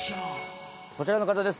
こちらの方です。